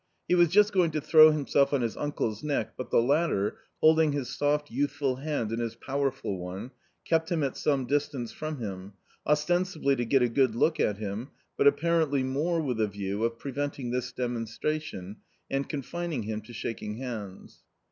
He was just going to throw himself on his uncle's neck, but the latter, holding his soft youthful hand in his powerful one, kept him at some dis tance from him, ostensibly to get a good look at him, but apparently more with a view of preventing this demonstra tion and confining him to shaking hands.